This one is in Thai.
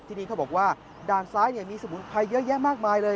ที่นี่เขาบอกว่าด่านซ้ายมีสมุนไพรเยอะแยะมากมายเลย